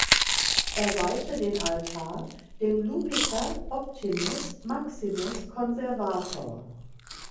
Er weihte den Altar dem Iupiter Optimus Maximus Conservator.